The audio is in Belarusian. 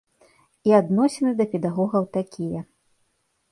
І адносіны да педагогаў такія.